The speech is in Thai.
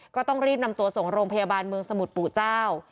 ก็ต้องรีบนำตัวส่งโรงพยาบาลเมืองสมุทรปู่เจ้า